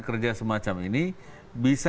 kerja semacam ini bisa